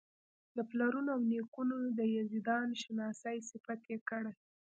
د پلرونو او نیکونو د یزدان شناسۍ صفت یې کړی.